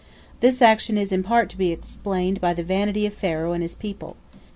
This action is in part to be explained by the vanity of Pharaoh and his people.